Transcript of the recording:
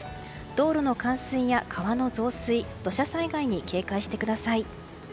道路の冠水や川の増水土砂災害に警戒してください。